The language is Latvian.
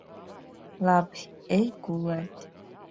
Labi. Ej gulēt.